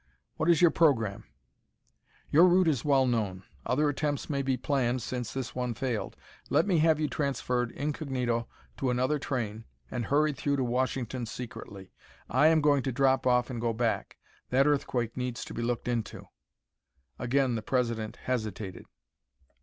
What is your program?" "Your route is well known. Other attempts may be planned since this one failed. Let me have you transferred incognito to another train and hurried through to Washington secretly. I am going to drop off and go back. That earthquake needs to be looked into." Again the President hesitated.